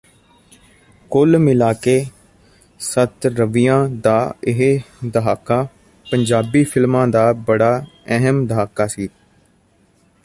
ਕੁੱਲ ਮਿਲਾਕੇ ਸੱਤਰਵਿਆਂ ਦਾ ਇਹ ਦਹਾਕਾ ਪੰਜਾਬੀ ਫਿਲਮਾਂ ਦਾ ਬੜਾ ਅਹਿਮ ਦਹਾਕਾ ਸੀ